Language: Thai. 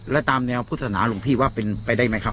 และตามแนวพุทธศนาหลวงพี่ว่าเป็นไปได้ไหมครับ